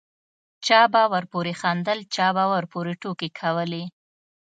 چا به ورپورې خندل چا به ورپورې ټوکې کولې.